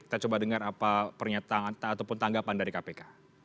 kita coba dengar apa pernyataan ataupun tanggapan dari kpk